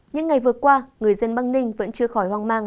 những ngày vừa qua người dân băng ninh vẫn chưa khỏi hoang mang